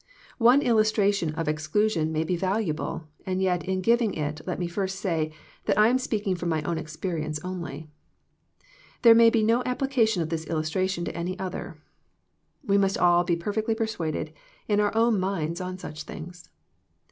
One illustration of exclusion may be valuable, and yet in giving it let me first say that I am speaking from ray own experience only. There may be no application of this illus tration to any other. We must all be perfectly persuaded in our own minds on such things.